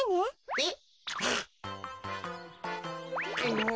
えっ！